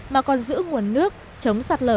mà còn giữ nguồn nước chống sạt lở